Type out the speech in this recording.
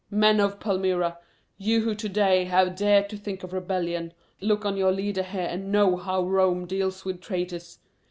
Men of Palmyra, you who to day have dared to think of rebellion, look on your leader here and know how Rome deals with traitors.